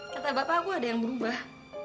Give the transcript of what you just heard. kata bapak aku ada yang berubah